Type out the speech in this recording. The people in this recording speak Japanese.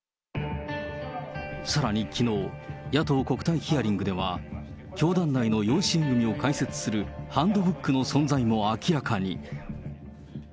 さらにきのう、野党国対ヒアリングでは、教団内の養子縁組を解説するハンドブックの存在も明らかに。